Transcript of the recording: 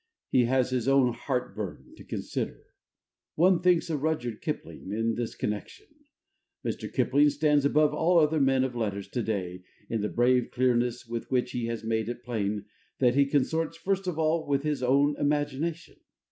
He has his own heart burn to consider. One thinks of Rudyard Kipling in this connection. Mr. Kipling stands above all other men of letters to day in the brave clearness with which he has made it plain that he consorts first of all with his own imagination.